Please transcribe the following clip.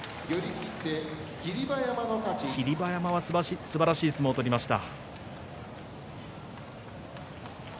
霧馬山はすばらしい相撲を取りました。